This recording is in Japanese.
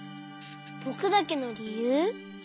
ぼくだけのりゆう？